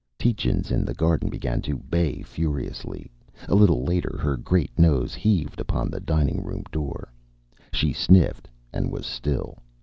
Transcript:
Tietjens, in the garden, began to bay furiously. A little later her great nose heaved upon the dining room door. She sniffed and was still.